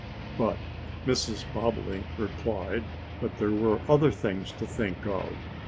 But Mrs. Bobolink replied that there were other things to think of.